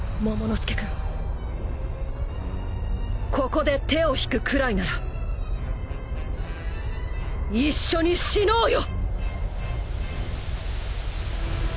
ここで手を引くくらいなら一緒に死のうよ！